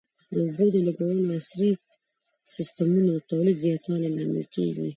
د اوبو د لګولو عصري سیستمونه د تولید زیاتوالي لامل دي.